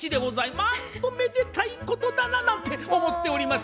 なんとめでたいことだななんて思っております。